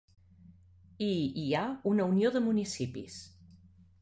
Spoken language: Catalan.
I hi ha una Unió de Municipis.